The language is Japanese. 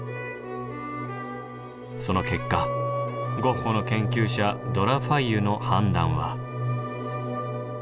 その結果ゴッホの研究者ド・ラ・ファイユの判断は。